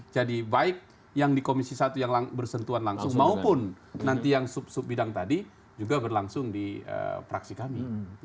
jadi baik yang di komisi satu yang bersentuhan langsung maupun nanti yang sub sub bidang tadi juga berlangsung di praksi kami